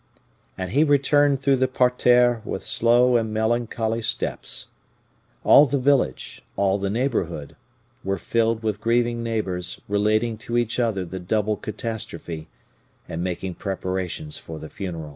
And he returned through the parterre with slow and melancholy steps. All the village all the neighborhood were filled with grieving neighbors relating to each other the double catastrophe, and making preparations for the funeral.